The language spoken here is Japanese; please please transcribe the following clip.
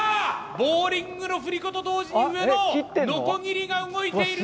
ボーリングの振り子と同時に上のノコギリが動いている。